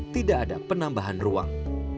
tidak ada penambahan ruang